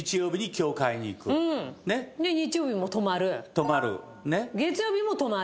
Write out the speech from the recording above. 泊まる。